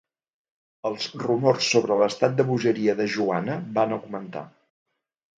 Els rumors sobre l'estat de bogeria de Joana van augmentar.